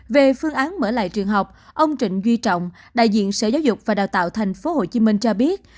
về phương án mở lại trường học ông trịnh duy trọng đại diện sở giáo dục và đào tạo tp hcm cho biết